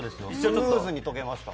スムーズにとけました。